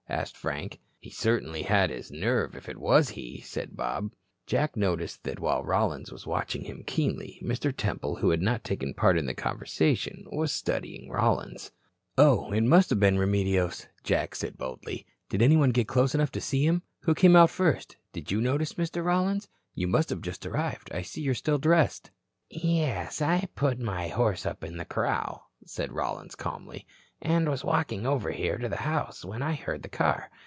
asked Frank. "He certainly had his nerve, if it was he," said Bob. Jack noticed that while Rollins was watching him keenly Mr. Temple, who had not taken part in the conversation, was studying Rollins. "Oh, it must have been Remedios," Jack said boldly. "Did anybody get close enough to see him? Who came out first? Did you notice, Mr. Rollins? You must have just arrived. I see you are still dressed." "Yes, I had put my horse up in the corral," said Rollins, calmly, "and was walking over here to the house, when I heard the car.